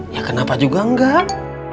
ya kenapa juga enggak